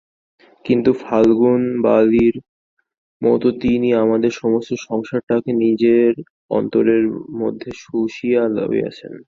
কিন্তু ফল্গুর বালির মতো তিনি আমাদের সমস্ত সংসারটাকে নিজের অন্তরের মধ্যে শুষিয়া লইয়াছেন।